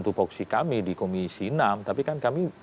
tupoksi kami di komisi enam tapi kan kami